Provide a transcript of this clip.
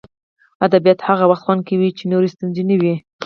ادبیات هغه وخت خوند کوي چې نورې ستونزې نه وي